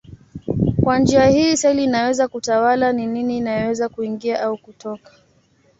Kwa njia hii seli inaweza kutawala ni nini inayoweza kuingia au kutoka.